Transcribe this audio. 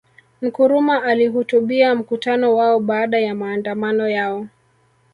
Nkrumah alihutubia mkutano wao baada ya maandamano yao